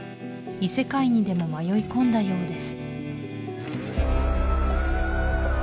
異世界にでも迷い込んだようです